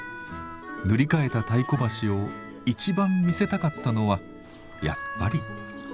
塗り替えた太鼓橋を一番見せたかったのはやっぱりあの人でした。